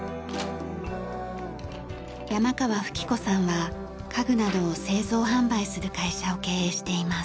山川富喜子さんは家具などを製造販売する会社を経営しています。